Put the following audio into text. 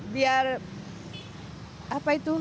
biar apa itu